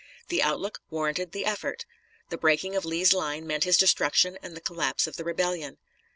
The outlook warranted the effort. The breaking of Lee's lines meant his destruction and the collapse of the rebellion.